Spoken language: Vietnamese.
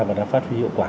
và đã phát huy hiệu quả